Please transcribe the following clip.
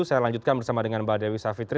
saya lanjutkan bersama dengan mbak dewi savitri